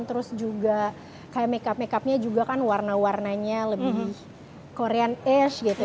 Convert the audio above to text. terus juga kayak makeup makeupnya juga kan warna warnanya lebih korean ars gitu